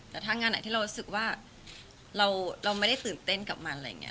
แต่ถ้างานไหนที่เรารู้สึกว่าเราไม่ได้ตื่นเต้นกับมันอะไรอย่างนี้